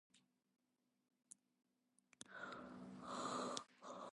Smuggling plutonium out of a nuclear research centre turns out to be surprisingly easy.